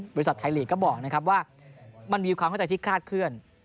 บริษัทไทยลีกก็บอกนะครับว่ามันมีความเข้าใจที่คลาดเคลื่อน